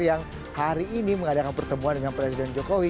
yang hari ini mengadakan pertemuan dengan presiden jokowi